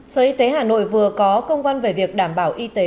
sở y tế hà nội vừa có công văn về việc đảm bảo y tế